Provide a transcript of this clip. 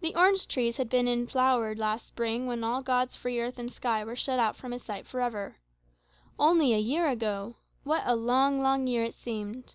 The orange trees had just been in flower last spring when all God's free earth and sky were shut out from his sight for ever. Only a year ago! What a long, long year it seemed!